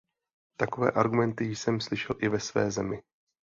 Takové argumenty jsem slyšel i ve své zemi.